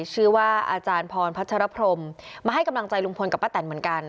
ชื่อว่าอาจารย์พรพัชรพรมมาให้กำลังใจลุงพลกับป้าแตนเหมือนกัน